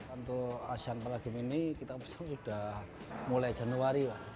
untuk asian para games ini kita sudah mulai januari